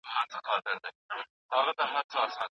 بصیرت په څېړنه کي ډېر مهم دئ.